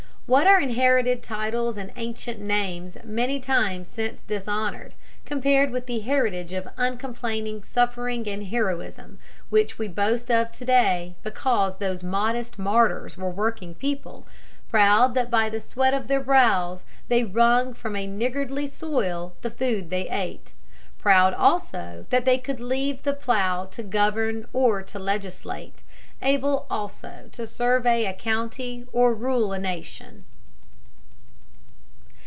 What are inherited titles and ancient names many times since dishonored, compared with the heritage of uncomplaining suffering and heroism which we boast of to day because those modest martyrs were working people, proud that by the sweat of their brows they wrung from a niggardly soil the food they ate, proud also that they could leave the plough to govern or to legislate, able also to survey a county or rule a nation.